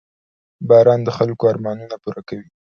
• باران د خلکو ارمانونه پوره کوي.